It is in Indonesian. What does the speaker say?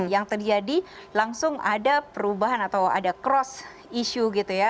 yang terjadi langsung ada perubahan atau ada cross issue gitu ya